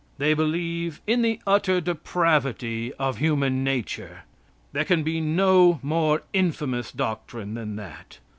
They believe in the utter depravity of human nature. There can be no more infamous doctrine than that.